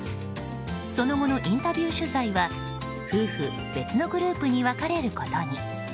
その後のインタビュー取材は夫婦別のグループに分かれることに。